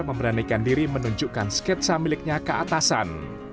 dan memberanikan diri menunjukkan sketsa miliknya ke atasan